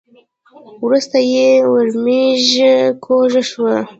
وروسته یې ورمېږ کوږ شو .